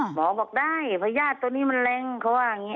หมอบอกได้พญาติตัวนี้มันแรงเขาว่าอย่างนี้